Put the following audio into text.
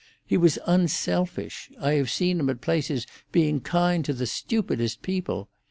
He was unselfish. I have seen him at places being kind to the stupidest people.